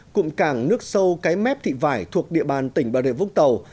cụm cảng nước sâu cái mép thị vải thuộc địa bàn tỉnh bà rịa vũng tàu